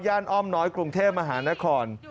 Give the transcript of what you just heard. อ้อมน้อยกรุงเทพมหานคร